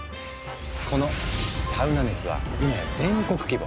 このサウナ熱は今や全国規模。